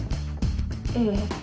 ええ。